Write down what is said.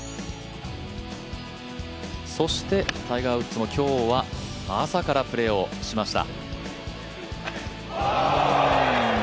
そしてタイガー・ウッズの今日は朝からプレーをしました。